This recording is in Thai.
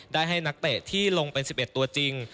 ได้ให้นักเตะที่ลงเป็น๑๑ตัวจริง